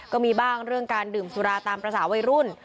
ก็มีบ้างเรื่องการดื่มสุราตามภาษาวัยรุ่น